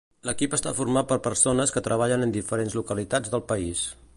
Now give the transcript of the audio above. L'equip està format per persones que treballen en diferents localitats del país.